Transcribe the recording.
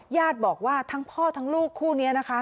ญาติบอกว่าทั้งพ่อทั้งลูกคู่นี้นะคะ